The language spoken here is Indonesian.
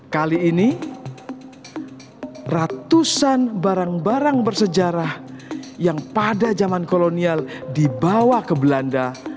kali ini ratusan barang barang bersejarah yang pada zaman kolonial dibawa ke belanda